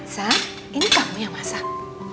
saat ini kamu yang masak